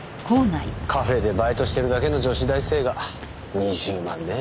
カフェでバイトしてるだけの女子大生が２０万ね。